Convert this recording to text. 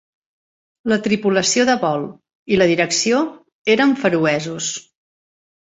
La tripulació de vol i la direcció eren feroesos.